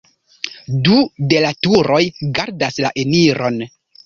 Du de la turoj gardas la eniron.